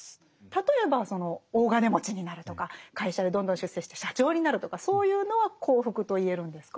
例えばその大金持ちになるとか会社でどんどん出世して社長になるとかそういうのは幸福と言えるんですか？